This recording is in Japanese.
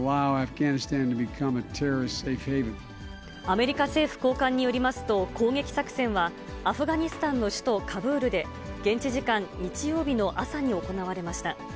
アメリカ政府高官によりますと、攻撃作戦は、アフガニスタンの首都カブールで、現地時間日曜日の朝に行われました。